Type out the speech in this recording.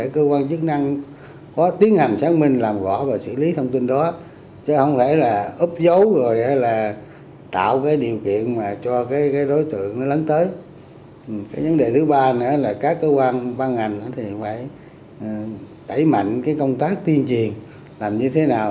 các cơ quan văn hành phải đẩy mạnh công tác tiên triền làm như thế nào